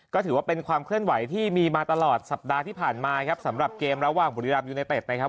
ก็ถือว่าเป็นความเคลื่อนไหวที่มีมาตลอดสัปดาห์ที่ผ่านมาครับสำหรับเกมระหว่างบุรีรัมยูไนเต็ดนะครับ